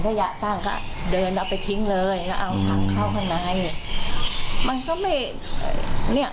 อยากตั้งก็เดินเอาไปทิ้งเลยแล้วเอาถังเข้าข้างในมันก็ไม่เนี้ย